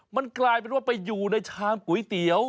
มันกลายเป็นว่าไปอยู่ในชามก๋วยเตี๋ยว